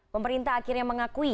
pemerintah akhirnya mengakui